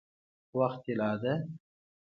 وخت طلا ده؟